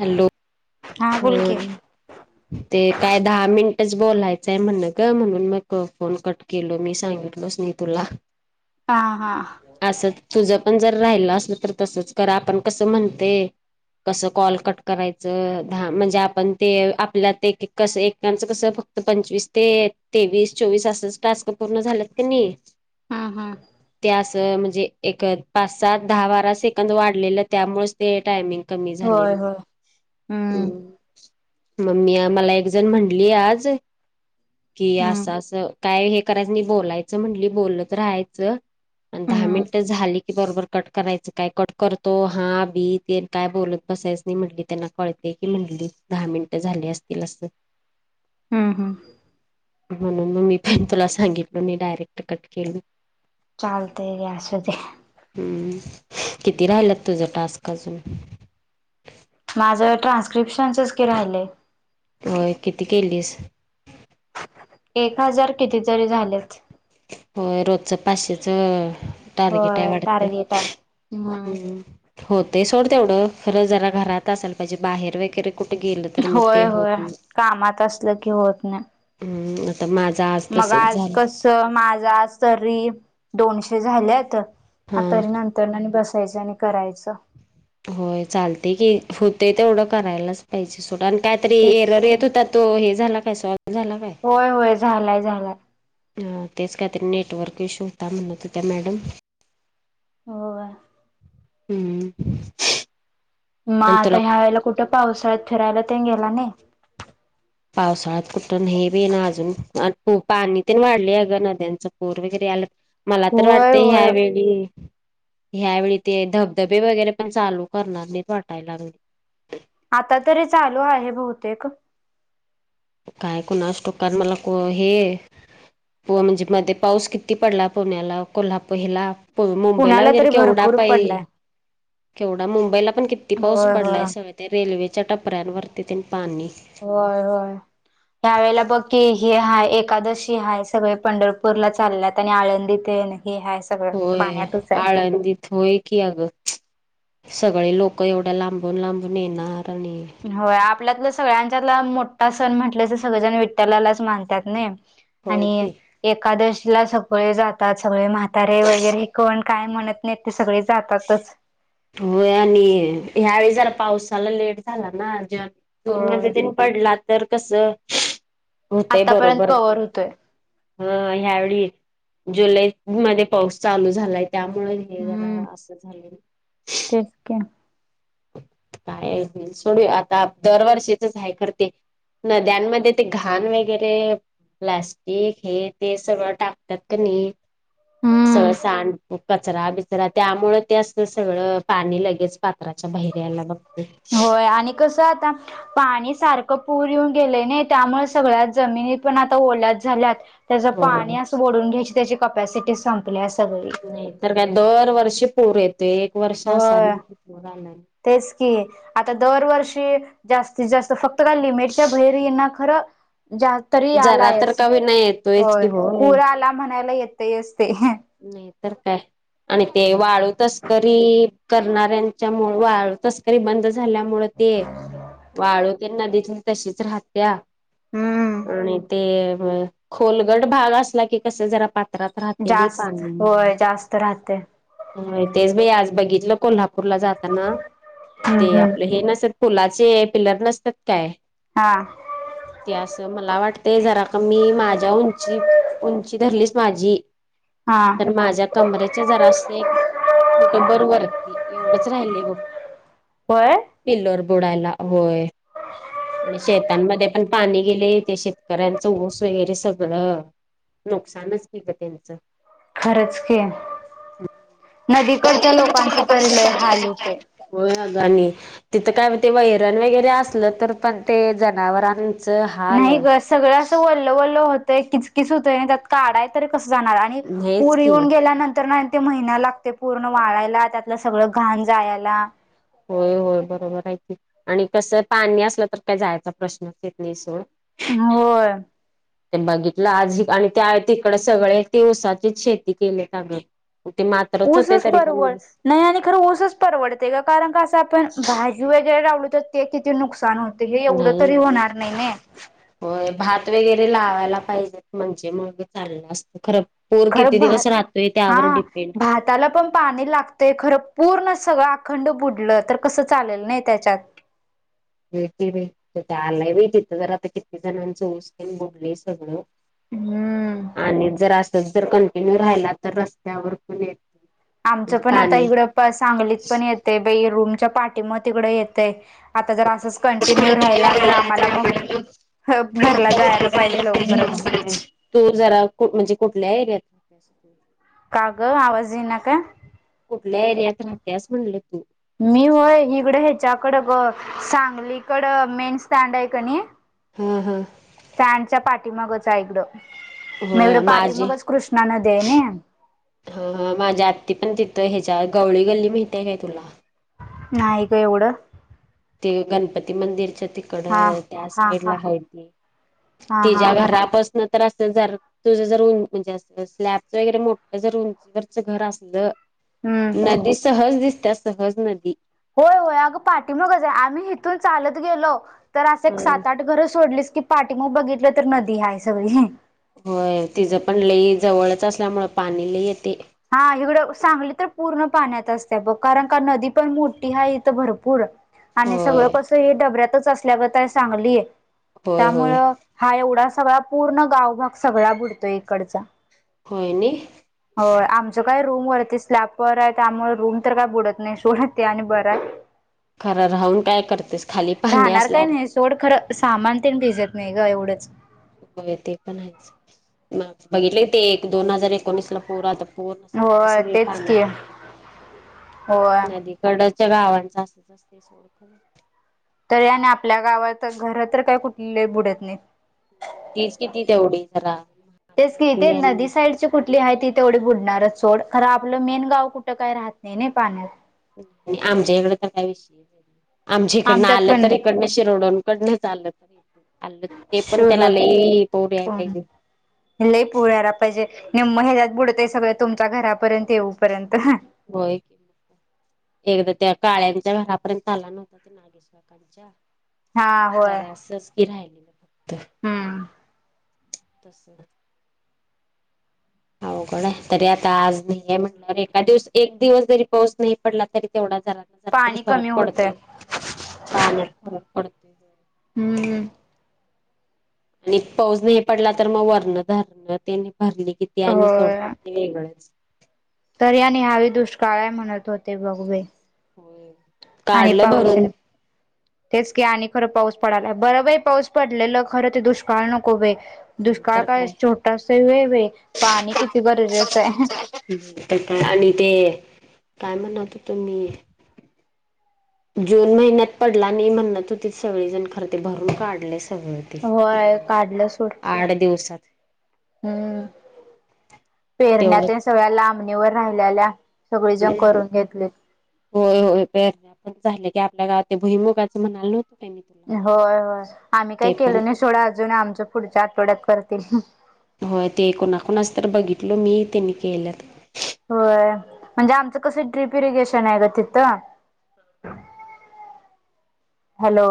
Hello, हा बोल की हम्म. ते काय दहा मिनिटच बोलायचंय म्हण ग म्हणून मग फोन कट केलो मी, सांगितलोच नाही तुला. हा, हा. असं तुझं पण जर राहिलं असल, तर तसंच करा. आपण कसं म्हणते कस कॉल कट करायचं. हा म्हणजे आपण ते आपल्या ते कसं एक टाइम कसं, फक्त पंचवीस ते तेवीस चोवीस असंच टास्क पूर्ण झालेत की नाही. हम्म, हम्म. ते असं म्हणजे एक पाच, सात, दहा, बारा सेकंद वाढलेलं त्यामुळेच ते टायमिंग कमी झाले होय बघ. होय हम्म हम्म, मग मी मला एक जण म्हंटली आज कि हम्म असं असं काय हे करायचं नाही, बोलायचं म्हटली बोलत राहायचं. आणि दहा हम्म मिनिट झाली की बरोबर कट करायचं. काय कट करतो हा बी तेन काय बोलत बसायच नाही म्हंटली‌. त्यांना कळत य की म्हंटली, दहा मिनिटं झाली असतील असं. हम्म, हम्म. म्हणून मग मी पण तुला सांगितलो नाही डायरेक्ट कट केलो. चालतंय घ्या असु द्या. हम्म. किती राहिल्यात तुझं टास्क अजून? माझं ट्रान्स्क्रिप्शनच के राहिलंय. होय किती केलीस? एक हजार कितीतरी झालेत. हो रोजचं पाचशेचं टारगेट हाय होय वाटतं टार्गेट हाय हम्म. हो ते सोड तेवढं खरं जरा घरात असाल पाहिजे बाहेर वगैरे कुठे गेलं तर मग ते होय होत होय नाय, कामात असलं की होत नाही हम्म आता माझा आज मग तसच आज झालं कसं माझा आज तरी दोनशे झाल्यात. हा आतारी नंतर आणि बसायचं आणि करायचं. होय चालते की होतेय तेवढं करायलाच पाहिजे सोड आणि कायतरी तेच एरर की येत होतात तो हे झाला काय सॉल्व झाला काय? होय होय झालाय झालाय. हा तेच काहीतरी नेटवर्क इश्यू होता म्हणत होत्या मॅडम. हो आ. हम्म. मा आणि आता तुला ह्या वेळेला कुठं पावसाळ्यात फिरायला तेन गेला नाही? पावसाळ्यात कुठं नाही बी ये ना अजून आण तो पाणी ते वाढले आहे अगं नद्यांच्या पूर वगैरे आला. मला तर होय वाटतय ह्या होय वेळी ह्यावेळी ते धबधबे वगैरे पण चालू करणार [unintelligible] वाटायला लागल. आता तरी चालू आहे बहुतेक. काय कोणाचं ठाऊक कारण मला को हे पुआ म्हणजे मध्ये पाऊस किती पडला पुण्याला, कोल्हा पहिला प मुंबईला पुण्याला वगैरे तरी केवढा भरपूर पाहि पडलाय. केवढा मुंबईला पण किती पाऊस होय होय पडलाय सवयत. ते रेल्वेच्या टपऱ्यांवरती तेन पाणी होय होय ह्यावेेळेला बघ की हे हाय एकादशी हाय सगळे पंढरपूरला चालल्यात आणि आळंदीत अन हे हायस. होय आळंदित होय की अगं सगळे लोकं एवढ्या लांबून-लांबून येणार आणि हाव आपल्यातला सगळ्यांच्यात मोठा सण म्हटलं असं सगळेजण विठ्ठलालाच मानतात नाय. होय आणि की एकादशीला सगळे जातात सगळे म्हातारे वगैरे हे कोण काय म्हणत नेते सगळे जातातच. होय आणि ह्यावेळी जरा पावसाला लेट झाला ना ज जून होय मध्येतन पडला तर कस होतंय आतापर्यंत बरोबर कव्हर ते. होतोय. हां ह्यावेळी जुलै मध्ये पाऊस चालू झालाय त्यामुळे हे झाला आहे हम्म असं. [inaudible] [unintelligible] काय आहेत सोडूया आता दरवर्षीचच आहे खरं ते. नद्यांमध्ये ते घाण वगैरे प्लास्टिक हे ते सगळं टाकतात क नाही हम्म सगळं सांड कचरा बिचरा त्यामुळे ते असतं सगळं पाणी लगेच पात्राच्या बहिर्याला बघते. होय आणि कसं आता पाणी सारखं पूर येऊन गेलं नाही त्यामुळे सगळ्यात जमिनी पण आता ओल्याद झाल्यात. त्याचं हो पाणी असं बढून घ्यायचे त्याची कपॅसिटी संपली आहे सगळी. नाही तर काय दर वर्षी पूर येतो एक वर्षा असं होय नाही की पूर आला नाय. तेच की आता दरवर्षी जास्तीत जास्त का फक्त लिमिटच्या बहिर यांना खरं जा तरी जरा तर आलायच का होईना येतोयच होय की होय. पूरा आला म्हणायला येतच ते. नाही तर काय आणि ते वाळू तस्करी करणाऱ्यांच्यामूळं वाळ तस्करी बंद झाल्यामुळे ते वाळू त्यांना दिसतीय तशीच राहत्या हम्म आणि ते म खोलगड भाग असला की कसं जरा पात्रात राहते गी जास्त होय जास्त राहते. होय तेच बई आज बघितलं कोल्हापूरला जाताना हम्म ते हम्म आपलं हे नसत पुलाचे पिलर नसतात काय हा. ते असं मला वाटते जरा कमी माझ्या उंची उंची धरलीच माझी. हा तर माझ्या कमरेचा जरा असते. कुठं बर वरती एवढंच राहिलय बघ. होय पिल्लर बुडायला होय. आणि शेतांमध्ये पण पाणी गेले ते शेतकऱ्यांचं ऊस वेगैरे सगळं नुकसानच कितं यांचा. खरंच की नदीकडच्या लोकांच तरी लय हाल होतयं. होयं अग आणि तिथं काय ते वैरण वेगैरे असलं तर पण ते जनावरां नाही गं सगळं असं वल्ल वल्ल होतय किचकीच होतंय त्यात काढाय तरी कसं जाणार आणि हेच पूर की येऊन गेल्यानंतर नाय ते महिना लागते पूर्ण वाळायला त्यात इथलं सगळं घाण जायला होय-होय बरोबर आहे आणि कसं पाणी असलं तर काय जायचा प्रश्नच येत नाही सोड. हम्म होय. ते बघितलं आज आणि त्या तिकडं सगळे ती उसाची शेती केले त्या गं. ते मात्रच होते ऊसच तरी पण परवड ओस नाही आणि खरं उसच परवडते का कारण का असं आपण भाजी वेगैरे लावलो तर ते किती नुकसान होत. ते हे एवढं नाही तरी होणार नाही नये. होय भात वेगैरे लावायला पाहिजेत म्हणजे मग चाललं असतं खरं. पूर किती दिवस राहतोय त्यावर डिपेंड. त्याला पण पाणी लागतंय खरं पूर्ण सगळं अखंड बुडलं तर कसं चालेल नाही त्याच्यात. येते रे त्या आलाय वई तिथं जर आता किती जणांचं उस तेन बुडले सगळं. हम्म आणि जर असच जर कंटिन्यू राहिला तर रस्त्यावर पण ये आमचं पण आता इकडं प सांगलीत पण येतं बै रूमच्या पाठीमत इकडं येतय. आता जर असच कंटिन्यू राहिला तर आम्हाला मग हो घरला जायला पाहिजे लवकरच. तू जरा को म्हणजे कुठल्या एरियात [inaudible] का गं आवाज येई ना का? कुठल्या एरियात राहतेयास म्हणले तू? मी होय हीकडं ह्याच्याकडं गं सांगलीकड मेन स्टँड आहे क नी हा हा. त्यांच्या पाठीमागच आहे इकडं मग होय इकडं माझी पाठीमागच कृष्णा नदी आहे नये. ह माझ्या आत्ती पण तिथं ह्याच्या गवळी गल्ली माहिते आहे काय तुला? नाही गं एवढं. ते गणपती मंदिरच्या ती हा कडय त्या हा हा साईडला हाय ती हा हा तिच्या घरापसनं तर असं जरं तुझं जर म्हणजे असं स्लॅबच वगैरे मोठ जर उंचीवरच घर असलं हम्म नदी सहज दिसतं सहज न होय होय अगं पाठी मगच आहे आम्ही हिथून चालत गेलो. तर असं एक हम. सात आठ घरं सोडलीस की पाठी माग बघितलं तर नदी हाय सगळी. होय तिचं पण लई जवळच असल्यामुळ पाणी लई येतय. हा इकडं सांगली तर पूर्ण पाण्यात असते बघ कारण का नदी पण मोठी आहे इथं भरपूर आणि सगळं होय. कसं हे डबऱ्यातच असल्यागत हाय सांगली होय होय त्यामुळं हा एवढा सगळा पूर्ण गावभग सगळा बुडतोय इकडचा. होय नी. होय. आमचं काय रूमवरती स्लॅपवर आहे त्यामुळे रूम तर काय बुडत नाही सोड ते आणि बरं आहे खरं राहून काय करतेस खाली पाहणी राहणार काय असल्यावर नाही सोड खरं सामान ते भिजत नाही ग एवढंच होय ते पण आहेच मग बघितलय की ते दोन हजार एकोणीसला पूर आलत पूर्ण सांगली होय सगळी तेच की पाण्यात होय होती नदी गडाच्या गावां जास्त जास सोडख तरी आणि आपल्या गावातच घर तर काही कुठले बुडत नाही तीच किती तेवढी रान तेच की ते झालाड्यातले आणि नदी साईडची कुठली आहे ती तेवढे बुडणारच सोड खर आपलं मेन गाव कुठं काय राहत नाही पाण्यात. आमच्या इकड तर काय विषयी आमच्या इकडनं आमच्यात आलं पण तर नाही. इकडनं शिरडून कडनच आलं त आलं ते पण त्याला शिरोटोन ले पोड याय पाजे लई पुळयला पाहिजे हे महिन्यात बुडतय सगळं तुमच्या घरापर्यंत येऊपर्यंत होय क एकदा त्या काळ्यांच्या घरापर्यंत आला नव्हता ते हा होय. जरा असच की राहिलेलं फक्त हम्म तस अवघड आहे तरी आता आज नाही आहे, म्हटल्यावर एका दिवस एक दिवस जरी पाऊस नाही पडला तरी तेवढा जरा जरा तरी पाणी फरक कमी होतंय. पडते पाण्यात फरक पडते हम्म हम्म आणि पाऊस नाही पडला तर मग वरण धरणं तेनी भरली किती आणि सोडत ते वेगळंच तरी आणि या वेळी दुष्काळ हाय म्हणत होते बघ बाई होय आणि काढलं भरून पावशन तेच की आणि खरं पाऊस पडाला, बरं बाई पाऊस पडलेलं खरं ते दुष्काळ नको बाई दुष्काळ नाहीतर काळ काय छोटस असेल वे वे पाणी किती गरजेचं आहे काय आणि ते काय म्हणत होतो मी जून महिन्यात पडला आणि म्हग नंतर ते सगळेजण खरते भरून काढलय सगळ होय काढलं सोड आठ दिवसात हम्म तेवढं पेरण्या सगळ्या लांबणीवर राहिल्याल्या सगळेजण करून घेतले होय होय पेरले पण झाले की आपल्या गावात ते भई मुगाचं म्हणालत होय होय आम्ही काही ते केल पण नाही सोडा अजून आमच्या पुढच्या आठवड्यात करतील होय ते कुणा कुणाच तर बघितल मी त्यांनी केल्यात होय म्हणजे आमचं कसं ड्र्रीप इरिगेशन आहे ग तिथं हॅलो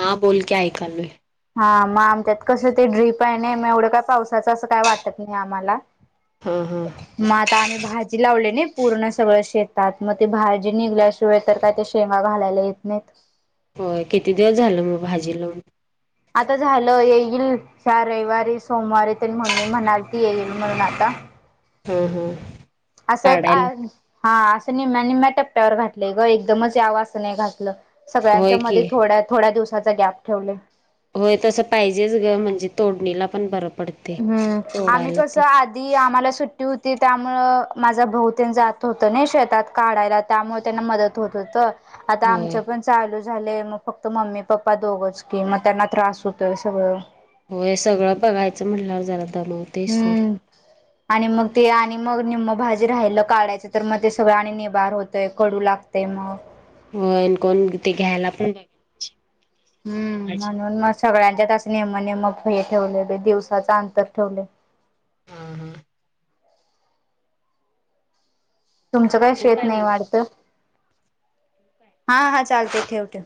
हां बोलक ऐकालय हा मग आमच्यात कसं ते ड्रीप आहे नाही मग एवढं काय पावसाचं असं काय वाटत नाही आम्हाला हं हं मग आता आम्ही भाजी लावली नई पूर्ण सगळं शेतात मग ते भाजी निघल्या शिवाय तर काय ते शेवा घालायला येत नाही हो किती दिवस झालं मग भाजी लावून? आता झालं येईल या रविवारी सोमवारी तर मम्मी म्हणाल ती येईल म्हणून आता हम्म हम्म असं एक हा असं निमम्या निम्म्या टप्प्यावर घातलंय ग एकदमच यावास नाही घातलं होय सगळ्यांच्या मध्ये की थोड्या थोड्या दिवसाचा गॅप ठेवलय. होय तसं पाहिजेच ग म्हणजे तोडणीला पण बरं पड हम्म आम्ही कसं आ ती आम्हाला सुट्टी होती त्यामुळं माझा भाऊ तेन जात होतं ना शेतात काढायला त्यामुळे त्यांना मदत होत होत आता होय आमचं पण चालूच झालेय म फक्त मम्मी पप्पा दोघच की मग त्यांना त्रास होतोय सगळं. हो हे सगळं बघायचं म्हटल्यावर झालं दमवते सोड. हम्म आणि मग ते आणि मग निम्म भाजी राहिल काढायचं तर मग ते सगळं आणि निभार होतंय कडू लाग ते मग होन कोण ते घ्यायला पण [inaudible] हम्म भाजी म्हणून मग सगळ्यांच्यातच नेमं नेमं हे ठेवलेले दिवसाचा अंतर ठेवले. हा हा. तुमचं काय ठेवू शेत नाही मग वाढतं हा हा चालते ठेव ठेव.